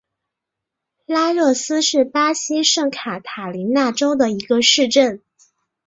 拉热斯是巴西圣卡塔琳娜州的一个市镇。